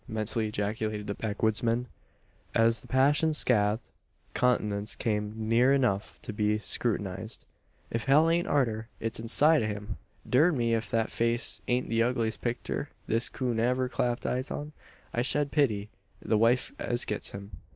mentally ejaculated the backwoodsman, as the passion scathed countenance came near enough to be scrutinised. "If hell ain't arter, it's inside o' him! Durn me, ef thet face ain't the ugliest picter this coon ever clapped eyes on. I shed pity the wife as gets him.